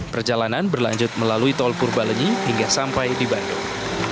perjalanan berlanjut melalui tol purbalenyi hingga sampai di bandung